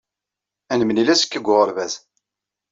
Ad nemlil azekka deg uɣerbaz.